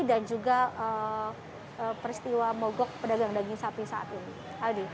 dan juga peristiwa mogok pedagang daging sapi saat ini